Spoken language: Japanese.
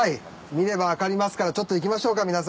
見れば分かりますからちょっと行きましょうか皆さん。